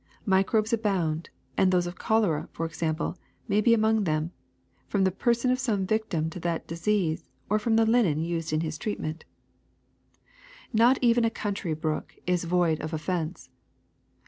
Microbes abound, and those of cholera, for example, may be among them, from the person of some victim to that dis ease or from the linen used in his treatment. ^50 THE SECRET OF EVERYDAY THINGS *^Not even a country brook is void of offense.